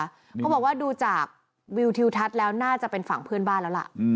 เขาบอกว่าดูจากวิวทิวทัศน์แล้วน่าจะเป็นฝั่งเพื่อนบ้านแล้วล่ะ